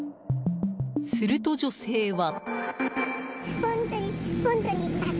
すると、女性は。